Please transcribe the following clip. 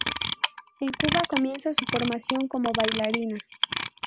En Cuba comienza su formación como bailarina.